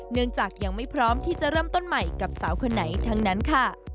เนื่องจากยังไม่พร้อมที่จะเริ่มต้นใหม่กับสาวคนไหนทั้งนั้นค่ะ